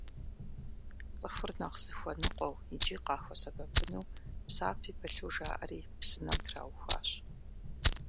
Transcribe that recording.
Цӏыхур нэхъ зыхуэныкъуэу икӏи къахуэсэбэпыну, псапи пылъу жаӏэри псынэм траухуащ.